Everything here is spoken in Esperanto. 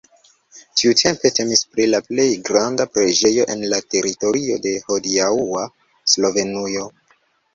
Tiutempe temis pri la plej granda preĝejo en la teritorio de hodiaŭa Slovenujo.